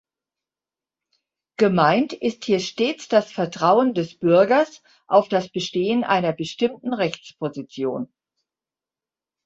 Gemeint ist hier stets das Vertrauen des Bürgers auf das Bestehen einer bestimmten Rechtsposition.